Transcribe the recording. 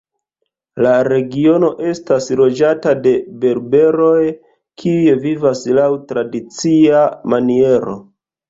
La regiono estas loĝata de berberoj kiuj vivas laŭ tradicia maniero.